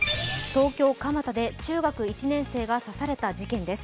東京・蒲田で中学１年生が刺された事件です。